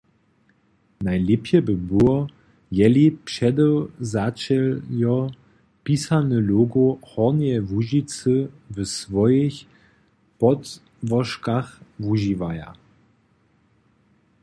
Najlěpje by było, jeli předewzaćeljo pisany logo Hornjeje Łužicy w swojich podłožkach wužiwaja.